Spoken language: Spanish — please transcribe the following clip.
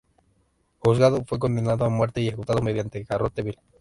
Juzgado, fue condenado a muerte y ejecutado mediante garrote vil.